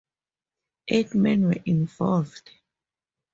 Eight men were involved.